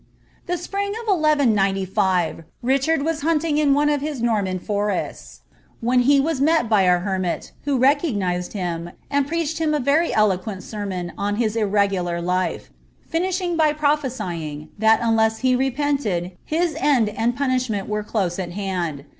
"The spring of 1195, Richard was hunting in one of bis ffnnpa forests,' when he was met by a hermit, who recoEDiscd hiiu, and pcttdicd him a very eloquent sermon on his irregular lite, linishing by prnpliMy ing, that uutess he repented, his end and punishment were close at hand.